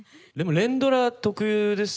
連ドラ特有ですよね。